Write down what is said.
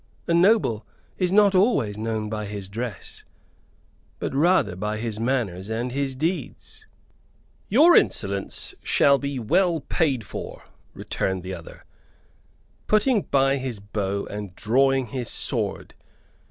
"A noble is not always known by his dress, but rather by his manners and his deeds." "Your insolence shall be well paid for," returned the other, putting by his bow and drawing his sword.